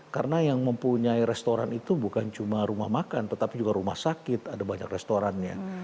karena yang mempunyai restoran itu bukan cuma rumah makan tetapi juga rumah sakit ada banyak restorannya